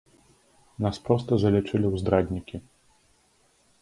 Нас проста залічылі ў здраднікі.